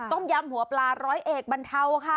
ต้มยำหัวปลาร้อยเอกบรรเทาค่ะ